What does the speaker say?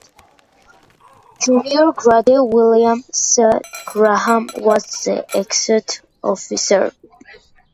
Junior Grade William C. Graham was the executive officer.